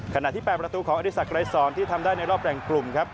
ขณะที่แปลประตูของอธิษัทไกรศรที่ทำได้ในรอบแรงกลุ่มครับ